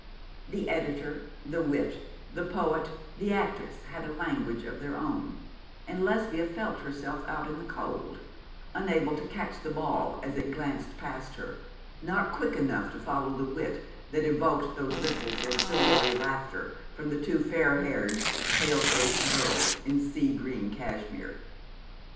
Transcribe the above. The editor, the wit, the poet, the actress, had a language of their own; and Lesbia felt herself out in the cold, unable to catch the ball as it glanced past her, not quick enough to follow the wit that evoked those ripples of silvery laughter from the two fair haired, pale faced girls in sea green cashmere.